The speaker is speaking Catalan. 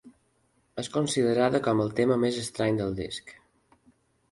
És considerada com el tema més estrany del disc.